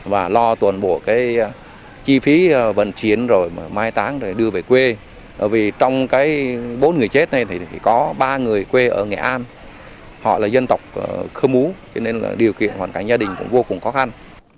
và lo toàn bộ cái chi phí vận chuyển rồi mà mai táng rồi đưa về quê vì trong cái bốn người chết này thì có ba người quê ở nghệ an họ là dân tộc khơ mú cho nên là điều kiện hoàn cảnh gia đình cũng vô cùng khó khăn